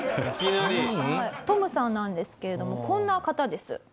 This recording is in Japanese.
トムさんなんですけれどもこんな方です。